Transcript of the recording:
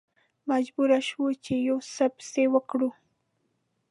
مجبور شوو چې یو څه پیسې ورکړو.